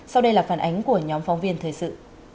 sau đây là phản ánh của nhóm phóng viên thời sự